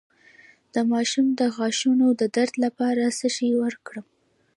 د ماشوم د غاښونو د درد لپاره څه شی ورکړم؟